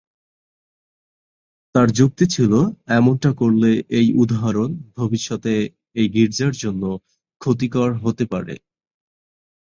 তার যুক্তি ছিল এমনটা করলে এই উদাহরণ ভবিষ্যতে এই গির্জার জন্য ক্ষতিকর হতে পারে।